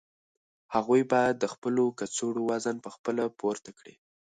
هغوی باید د خپلو کڅوړو وزن په خپله پورته کړي.